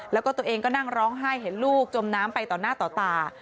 แล้วก็ตัวเองก็นั่งร้องไห้เห็นลูกจมน้ำไปต่อหน้าต่อตา